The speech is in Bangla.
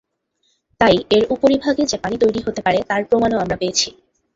তাই এর উপরিভাগে যে পানি তৈরী হতে পারে তার প্রমাণও আমরা পেয়েছি।